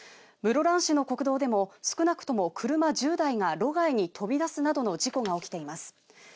室蘭市の国道でも少なくとも車１０台が路外に飛び出すなどの事故が起きています。